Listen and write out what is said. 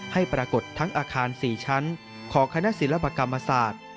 ให้ปรากฏทั้งอาคาร๔ชั้นของคณะศิลปกรรมศาสตร์